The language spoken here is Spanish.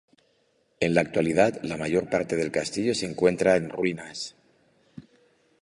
En la actualidad la mayor parte del castillo se encuentra en ruinas.